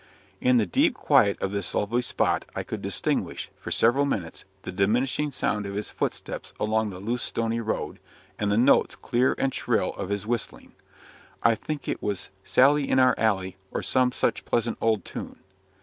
In the deep quiet of this lonely spot I could distinguish, for several minutes, the diminishing sound of his footsteps along the loose, stony road; and the notes, clear and shrill, of his whistling. I think it was "Sally in our Alley," or some such pleasant old tune.